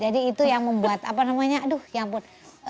itu yang membuat apa namanya aduh ya ampun